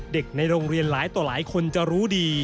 ในโรงเรียนหลายต่อหลายคนจะรู้ดี